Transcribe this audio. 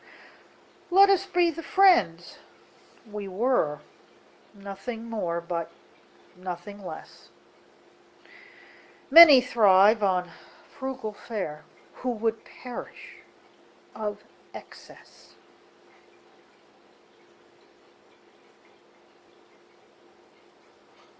Let us be the friends we were, Nothing more but nothing less:Many thrive on frugal fareWho would perish of excess.